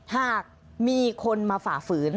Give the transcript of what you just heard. หากมีคนมาฝ่าฝืน